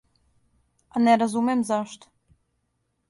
А не разумем зашто.